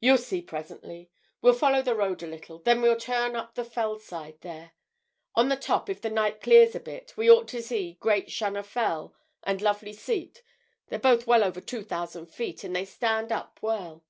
"You'll see presently. We follow the road a little. Then we turn up the fell side there. On the top, if the night clears a bit, we ought to see Great Shunnor Fell and Lovely Seat—they're both well over two thousand feet, and they stand up well.